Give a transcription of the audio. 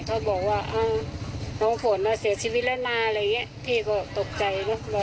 เขาบอกว่าน้องฝนมาเสียชีวิตแล้วหน้าพี่ก็ตกใจ